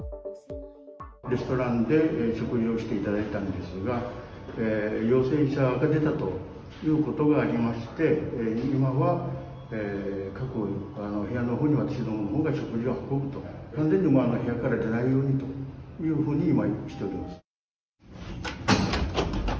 レストランで食事をしていただいたんですが、陽性者が出たということがありまして、今は各部屋のほうに、私どものほうが食事を運ぶと、完全に部屋から出ないようにというふうに今、しております。